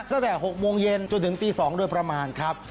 ตั้งแต่๖โมงเย็นจนถึงตี๒โดยประมาณครับ